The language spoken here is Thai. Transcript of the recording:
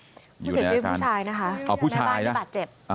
เป็นผู้ชายกว่าแม่บ้านให้บาดเจ็บ